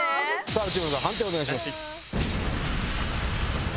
内村さん判定をお願いします。